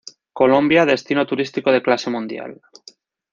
Colombia destino Turístico de Clase Mundial.